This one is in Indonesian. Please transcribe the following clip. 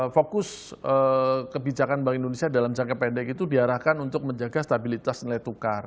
fokus kebijakan bank indonesia dalam jangka pendek itu diarahkan untuk menjaga stabilitas nilai tukar